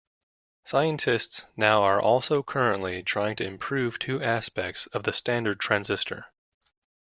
Scientists now are also currently trying to improve two aspects of the standard transistor.